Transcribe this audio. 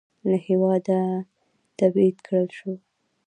له هېواده تبعید کړل شو.